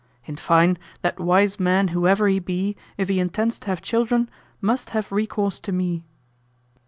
In fine, that wise man whoever he be, if he intends to have children, must have recourse to me.